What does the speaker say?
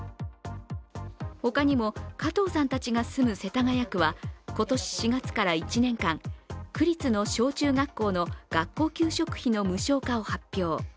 他にも、加藤さんたちが住む世田谷区は今年４月から１年間区立の小中学校の学校給食費の無償化を発表。